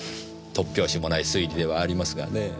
突拍子もない推理ではありますがねえ。